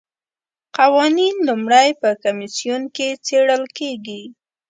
قوانین لومړی په کمیسیون کې څیړل کیږي.